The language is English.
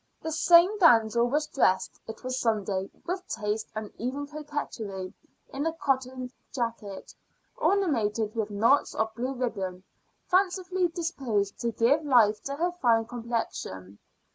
This same damsel was dressed it was Sunday with taste and even coquetry, in a cotton jacket, ornamented with knots of blue ribbon, fancifully disposed to give life to her fine complexion.